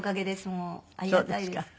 もうありがたいです。